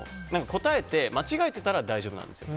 答えて間違えてたら大丈夫なんですよ。